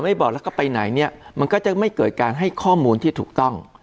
ไม่บอกแล้วก็ไปไหนเนี่ยมันก็จะไม่เกิดการให้ข้อมูลที่ถูกต้อง